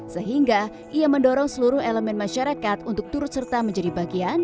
sehingga ia mendorong seluruh elemen masyarakat untuk turut serta menjadi bagian